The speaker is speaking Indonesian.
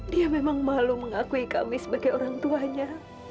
dia memang malu mengakui kami sebagai orang tuanya